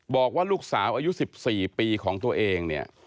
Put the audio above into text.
บอกว่าลูกสาวอายุ๑๔ปีของตัวเองเนี่ย